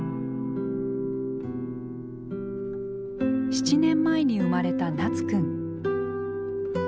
７年前に生まれたなつくん。